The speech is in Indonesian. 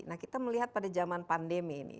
nah kita melihat pada zaman pandemi ini